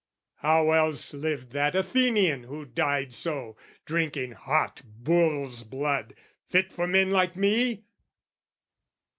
How else lived that Athenian who died so, Drinking hot bull's blood, fit for men like me?